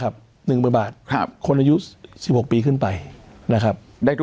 ๑๐๐๐บาทคนอายุ๑๖ปีขึ้นไป